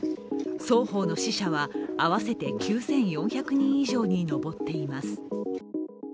双方の死者は合わせて９４００人以上に上っています。